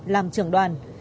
làm trưởng đoàn